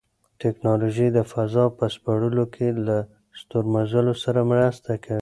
تکنالوژي د فضا په سپړلو کې له ستورمزلو سره مرسته کوي.